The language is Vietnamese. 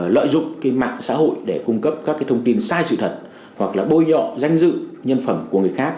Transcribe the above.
lợi dụng mạng xã hội để cung cấp các thông tin sai sự thật hoặc là bôi nhọ danh dự nhân phẩm của người khác